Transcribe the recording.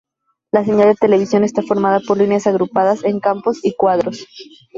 La señal de televisión está formada por líneas agrupadas en campos y cuadros.